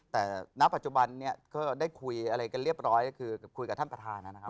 แต่ณปัจจุบันนี้ก็ได้คุยอะไรกันเรียบร้อยก็คือคุยกับท่านประธานนะครับ